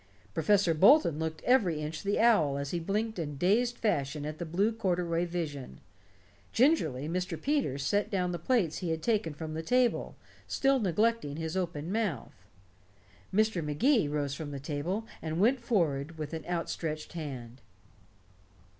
Professor Bolton looked every inch the owl as he blinked in dazed fashion at the blue corduroy vision. Gingerly Mr. Peters set down the plates he had taken from the table, still neglecting his open mouth. Mr. Magee rose from the table, and went forward with outstretched hand.